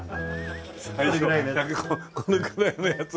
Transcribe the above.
最小このくらいのやつ。